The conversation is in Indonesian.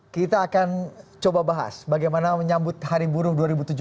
kita akan coba bahas bagaimana menyambut hari buruh dua ribu tujuh belas